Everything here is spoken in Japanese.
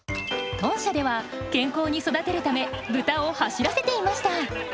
豚舎では健康に育てるため豚を走らせていました。